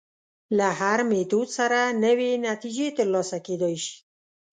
له هر میتود سره نوې نتیجې تر لاسه کېدای شي.